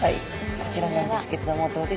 こちらなんですけれどもどうでしょうか？